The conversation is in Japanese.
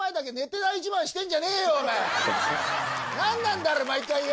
何なんだあれ毎回よ！